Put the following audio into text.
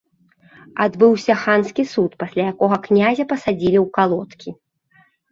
Адбыўся ханскі суд, пасля якога князя пасадзілі ў калодкі.